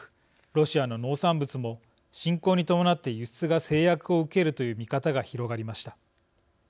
ロシアの農産物も侵攻に伴って輸出が制約を受けるという見方が広がりました。